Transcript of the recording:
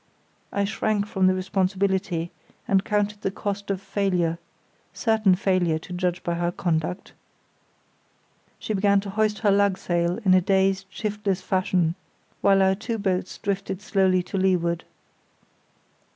I shrank from the responsibility and counted the cost of failure—certain failure, to judge by her conduct. She began to hoist her lugsail in a dazed, shiftless fashion, while our two boats drifted slowly to leeward.